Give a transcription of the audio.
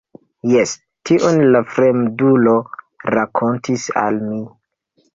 Jes, tion la fremdulo rakontis al mi.